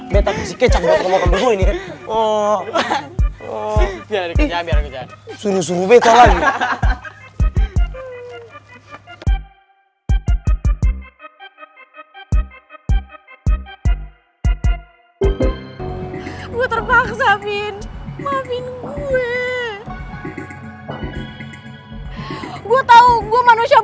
beta kasih kecap buat kamu kambing gue ini ya